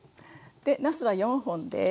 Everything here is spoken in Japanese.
でなすは４本です。